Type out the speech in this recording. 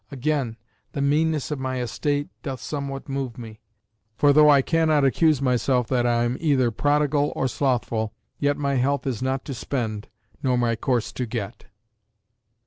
Again, the meanness of my estate doth somewhat move me; for though I cannot accuse myself that I am either prodigal or slothful, yet my health is not to spend, nor my course to get.